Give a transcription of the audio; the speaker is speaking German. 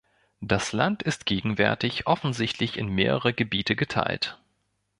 Das Land ist gegenwärtig offensichtlich in mehrere Gebiete geteilt.